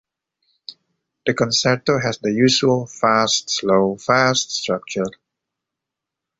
The concerto has the usual fast-slow-fast structure.